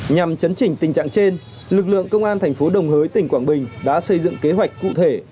nhằm chấn chỉnh tình trạng trên lực lượng công an thành phố đồng hới tỉnh quảng bình đã xây dựng kế hoạch cụ thể